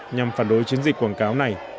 nhằm phản đối chiến dịch quảng cáo này